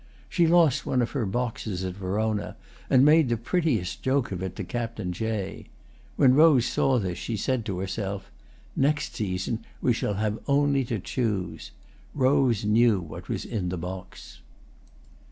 She lost one of her boxes at Verona, and made the prettiest joke of it to Captain Jay. When Rose saw this she said to herself, "Next season we shall have only to choose." Rose knew what was in the box.